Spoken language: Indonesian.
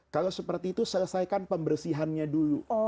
kalau seperti itu selesaikan pembersihannya dulu